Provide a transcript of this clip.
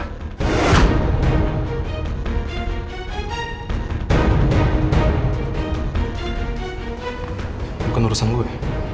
bukan urusan gue